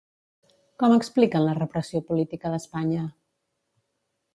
Com expliquen la repressió política d'Espanya?